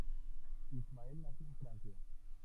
Ismael nació en Francia.